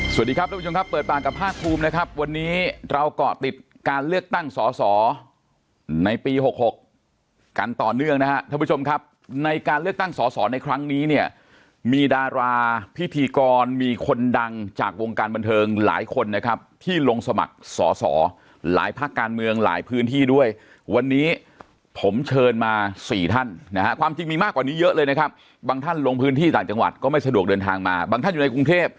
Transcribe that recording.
สวัสดีครับท่านผู้ชมครับเปิดปากกับภาคภูมินะครับวันนี้เราก่อติดการเลือกตั้งสอสอในปี๖๖กันต่อเนื่องนะครับท่านผู้ชมครับในการเลือกตั้งสอสอในครั้งนี้เนี่ยมีดาราพิธีกรมีคนดังจากวงการบันเทิงหลายคนนะครับที่ลงสมัครสอสอหลายภาคการเมืองหลายพื้นที่ด้วยวันนี้ผมเชิญมาสี่ท่านนะครับความจริงมีมาก